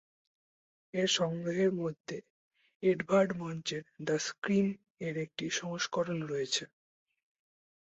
এর সংগ্রহের মধ্যে এডভার্ড মাঞ্চের "দ্য স্ক্রিম" এর একটি সংস্করণ রয়েছে।